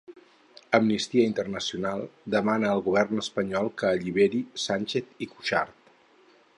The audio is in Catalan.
Amnistia Internacional demana al govern espanyol que alliberi Sànchez i Cuixart.